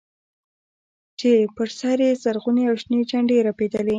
چې پر سر يې زرغونې او شنې جنډې رپېدلې.